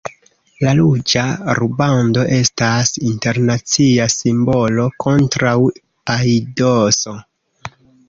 La ruĝa rubando estas internacia simbolo kontraŭ aidoso.